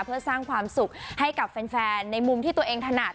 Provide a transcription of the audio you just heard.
เพื่อสร้างความสุขให้กับแฟนในมุมที่ตัวเองถนัด